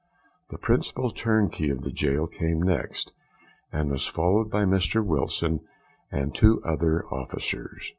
The principal turnkey of the gaol came next, and was followed by Mr Wilson and two officers.